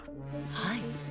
はい。